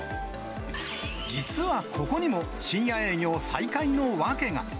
実はここにも、深夜営業再開の訳が。